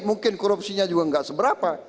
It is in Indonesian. mungkin korupsinya juga nggak seberapa